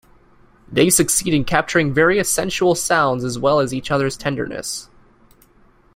They succeed in capturing various sensual sounds as well as each other's tenderness.